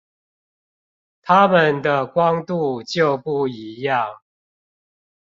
它們的光度就不一樣